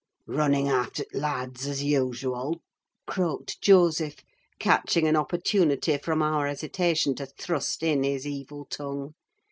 "Running after t' lads, as usuald!" croaked Joseph, catching an opportunity from our hesitation to thrust in his evil tongue.